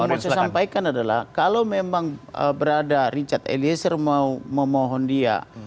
yang mau disampaikan adalah kalau memang berada richard eliezer memohon dia